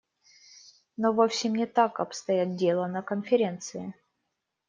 Но вовсе не так обстоит дело на Конференции.